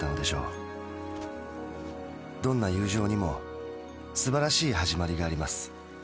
どんな友情にもすばらしいはじまりがあります。